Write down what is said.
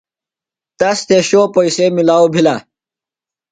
تس تھےۡ شو پیئسے ملاؤ بِھلہ۔